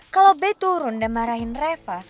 kalau b turun dan marahin reva